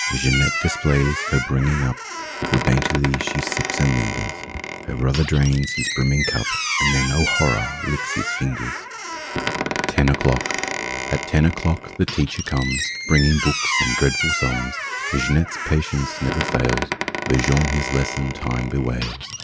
Jeanette displays her bringing up. For daintily she sips and lingers. Her brother drains his brimming cup. And then—oh, horror!—licks his fingers! 13 NINE O'CLOCK 15 TEN O'CLOCK AT ten o'clock the teacher comes ZjL Bringing books and dreadful Jeanette's patience never fails, But Jean his lesson time bewails.